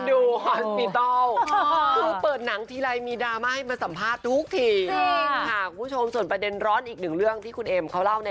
คือเปิดหนังทีไรมีดราม่าให้มาสัมภาษณ์ทุกทีจริงค่ะคุณผู้ชมส่วนประเด็นร้อนอีกหนึ่งเรื่องที่คุณเอ็มเขาเล่าเนี่ย